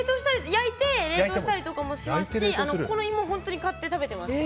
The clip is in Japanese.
焼いて冷凍したりとかもしますしここの芋本当に買って食べてます。